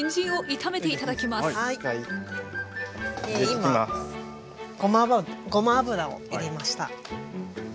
今ごま油を入れました。